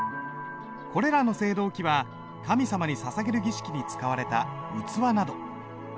これらの青銅器は神様にささげる儀式に使われた器など。